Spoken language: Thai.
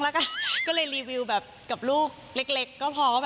แล้วก็พอเรียนรองกับลูกเล็ก